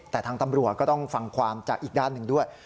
แต่ทางตำรวจก็ต้องฟังความจากอีกด้านหนึ่งด้วย